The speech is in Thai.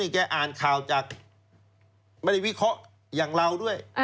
นี่แกอ่านข่าวจากบริวิเคราะห์อย่างเราด้วย